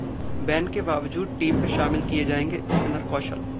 Ban के बावजूद team में शामिल किए जाएंगे स्पिनर कौशल!